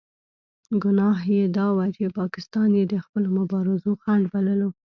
ګناه یې دا وه چې پاکستان یې د خپلو مبارزو خنډ بللو.